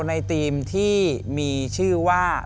ในทีมที่มีชื่อว่า